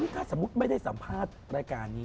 ถ้าสมมุติไม่ได้สัมภาษณ์รายการนี้